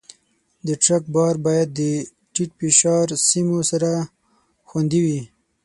د ټرک بار باید د ټیټ فشار سیمو سره خوندي وي.